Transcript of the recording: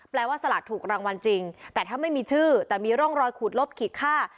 ว่าสลากถูกรางวัลจริงแต่ถ้าไม่มีชื่อแต่มีร่องรอยขูดลบขีดค่า